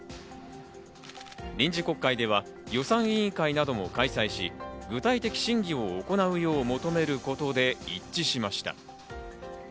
臨時国会では予算委員会なども開催し、具体的審議を求めることで一致しました。